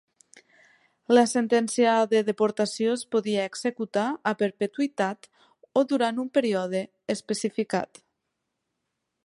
La sentència de deportació es podia executar a perpetuïtat o durant un període especificat.